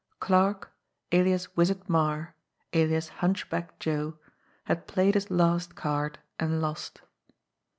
Clarke, alias Wizard Marre, alias Hunchback Joe, had played his last card, and lost.